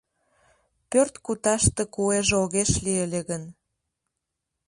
Пӧрт куташте куэже огеш лий ыле гын